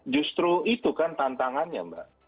justru itu kan tantangannya mbak